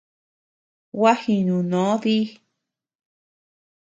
Gua jinuno dí.